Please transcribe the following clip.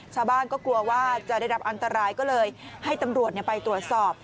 ชาวบ้านก็กลัวว่าจะได้รับอันตรายก็เลยให้ตำรวจไปตรวจสอบ